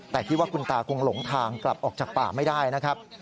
แต่คิดว่าคุณตาคงหลงทางกลับออกจากป่าไม่ได้นะครับ